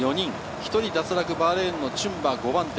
１人脱落バーレーンのチュンバ５番手。